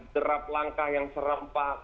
terlambat yang serempak